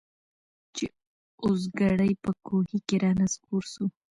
چي اوزګړی په کوهي کي را نسکور سو